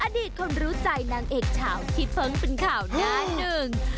อดีตคนรู้ใจนางเอกเฉาที่เฟิ้งเป็นข่าวหน้าหนึ่ง